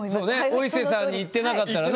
お伊勢さんに行ってなかったらね。